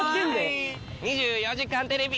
『２４時間テレビ』！